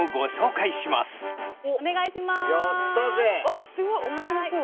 わっすごい面白そう。